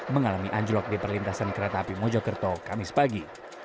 mengalami anjlok di perlintasan kereta api mojokerto kamis pagi